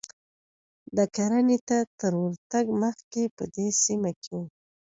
دا کرنې ته تر ورتګ مخکې په دې سیمه کې و